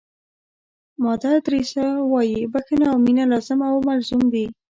مادر تریسیا وایي بښنه او مینه لازم او ملزوم دي.